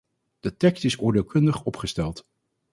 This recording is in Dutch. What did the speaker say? De tekst is oordeelkundig opgesteld.